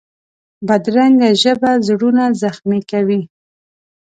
بدرنګه ژبه زړونه زخمي کوي